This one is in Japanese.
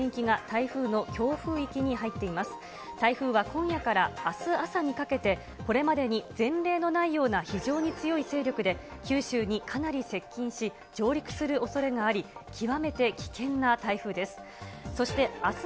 台風は今夜からあす朝にかけて、これまでに前例のないような非常に強い勢力で、九州にかなり接近し、上陸するおそれがあり、極めて危険な台風です。